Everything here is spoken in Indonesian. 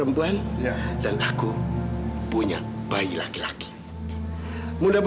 mas apa tidak cukup